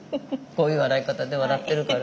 こういう笑い方で笑ってるから。